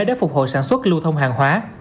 để phục hồi sản xuất lưu thông hàng hóa